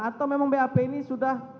atau memang bap ini sudah